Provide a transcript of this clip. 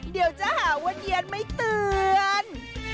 เดี๋ยวจะหาว่าเนียนไม่เตือน